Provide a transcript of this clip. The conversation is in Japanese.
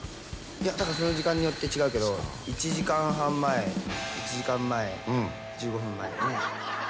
それは時間によって違うけど１時間半前１時間前１５分前。